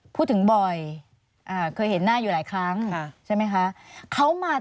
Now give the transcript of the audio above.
พูดถึงบ่อยอ่าเคยเห็นหน้าอยู่หลายครั้งใช่ไหมคะเขามา